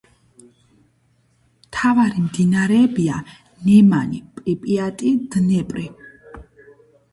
მთავარი მდინარეებია: ნემანი, პრიპიატი, დნეპრი.